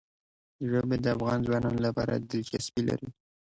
ژبې د افغان ځوانانو لپاره دلچسپي لري.